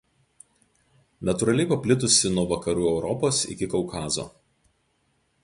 Natūraliai paplitusi nuo vakarų Europos iki Kaukazo.